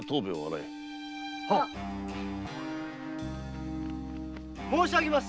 はっ！申し上げます！